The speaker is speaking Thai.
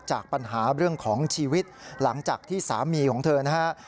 จากปัญหาเรื่องของชีวิตหลังจากที่สามีของเธอนะฮะ